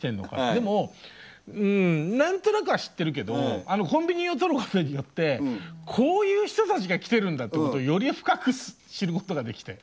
でもうん何となくは知ってるけどあのコンビニを撮ることによってこういう人たちが来てるんだということをより深く知ることができて。